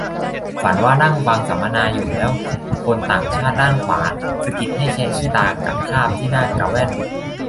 ฝันว่านั่งฟังสัมมนาอยู่ แล้วคนต่างชาติด้านขวา สะกิดให้แคะขี้ตากะคราบที่หน้ากะแว่น